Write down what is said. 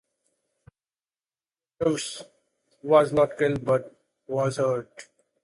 Hegedus was not killed but was hurt.